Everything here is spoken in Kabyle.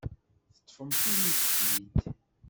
Teṭṭfemt-iyi-t-id.